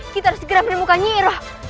kita harus segera menemukan nyi iroh